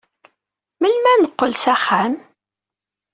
Melmi ad neqqel s axxam?